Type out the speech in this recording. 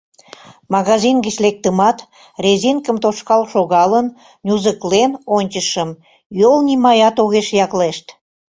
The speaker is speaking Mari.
Магазин гыч лектымат, резинкым тошкал шогалын, нюзыклен ончышым, йол нимаят огеш яклешт.